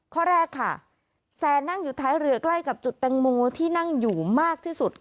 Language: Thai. ข้อแรกค่ะแซนนั่งอยู่ท้ายเรือใกล้กับจุดแตงโมที่นั่งอยู่มากที่สุด